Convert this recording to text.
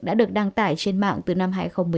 đã được đăng tải trên mạng từ năm hai nghìn một mươi